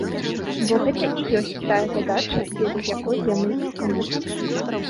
Бо гэта і ёсць тая задача, дзеля якой яны існуюць.